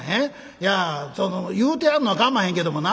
いや言うてやるのはかまへんけどもな